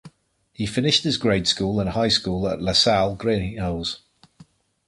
He finished his grade school and high school at La Salle Greenhills.